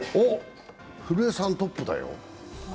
古江さんトップだよ。